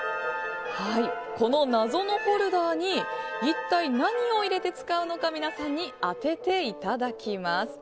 この謎のホルダーに一体、何を入れて使うのか皆さんに当てていただきます。